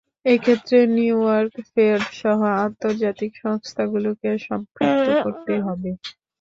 এ ক্ষেত্রে নিউইয়র্ক ফেডসহ আন্তর্জাতিক সংস্থাগুলোকেও সম্পৃক্ত করতে হবে।